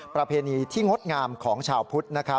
ประเพณีที่งดงามของชาวพุทธ